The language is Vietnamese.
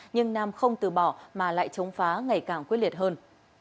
nhưng nam không từ bỏ mà lại chống phá ngày càng quyết liệt hơn